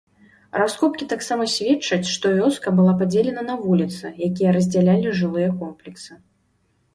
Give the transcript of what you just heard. Раскопкі таксама сведчаць, што вёска была падзелена на вуліцы, якія раздзялялі жылыя комплексы.